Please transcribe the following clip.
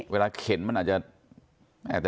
เวลาเข็นมันอาจจะ